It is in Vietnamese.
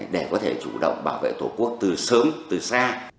để có thể chủ động bảo vệ tổ quốc từ sớm từ xa